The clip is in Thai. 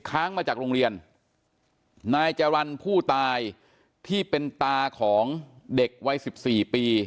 ค้างมาจากโรงเรียนนายจรรย์ผู้ตายที่เป็นตาของเด็กวัยสิบสี่ปี